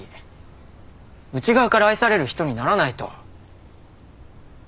内側から愛される人にならないと。